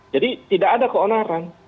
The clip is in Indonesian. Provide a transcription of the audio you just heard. jadi tidak ada keonaran